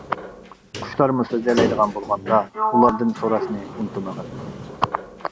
قۇشلارمۇ سۆزلىيەلەيدىغان بولغاندا، ئۇلاردىن سوراشنى ئۇنتۇمىغىن.